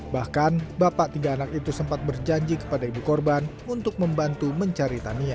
bahkan bapak tiga anak itu sempat berjanji kepada ibu korban untuk membantu mencari tania